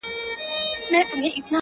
ه کټ مټ لکه ستا غزله!